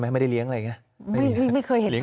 ไม่ได้เลี้ยงอะไรอย่างนี้